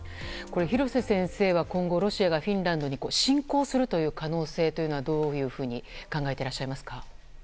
廣瀬先生は今後、ロシアがフィンランドに侵攻するという可能性はどういうふうに考えていらっしゃいますか。